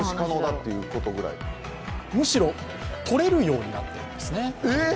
むしろ取れるようになっているんですね。